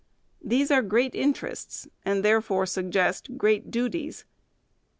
These are great interests, and therefore suggest great duties.